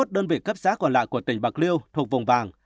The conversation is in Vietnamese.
năm mươi một đơn vị cấp xã còn lại của tỉnh bạc liêu thuộc vùng vàng